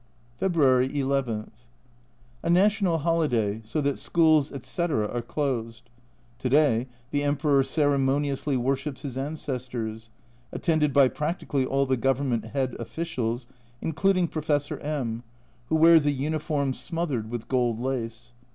February II. A national holiday, so that schools, etc. are closed. To day the Emperor ceremoniously worships his ancestors, attended by practically all the Government head officials, including Professor M , who wears a uniform smothered with gold lace.